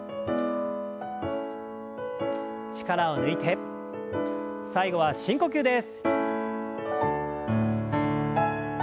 力を抜いて最後は深呼吸です。